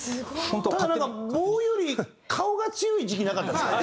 ただなんか棒より顔が強い時期なかったですか？